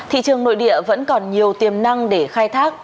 thị trường nội địa vẫn còn nhiều tiềm năng để khai thác